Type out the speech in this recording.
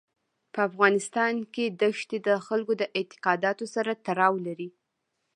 په افغانستان کې ښتې د خلکو د اعتقاداتو سره تړاو لري.